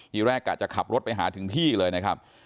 ทีแรกกะจะขับรถไปหาถึงที่เลยนะครับ